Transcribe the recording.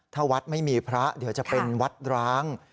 ถ้าวัดไม่มีพระเดี๋ยวจะเป็นวัดร้าง